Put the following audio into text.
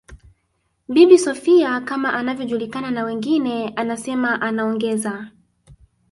Bibi Sophia kama anavyojulikana na wengine anasema anaongeza